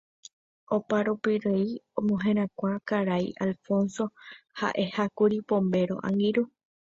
Oparupirei omoherakuã Karai Alfonso ha'ehákuri Pombéro angirũ.